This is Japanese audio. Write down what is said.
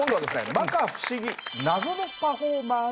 まか不思議謎のパフォーマーのお出た。